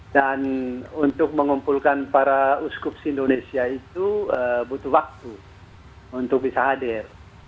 dan untuk mengumpulkan para uskupsi indonesia itu butuh waktu untuk bisa hadir